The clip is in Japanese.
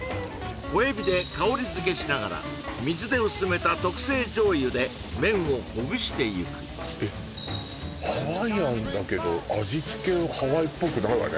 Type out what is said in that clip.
小エビで香り付けしながら水で薄めた特製醤油で麺をほぐしていくハワイアンだけど味つけはハワイっぽくないわね